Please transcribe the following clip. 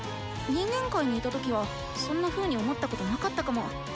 人間界にいた時はそんなふうに思ったことなかったかも。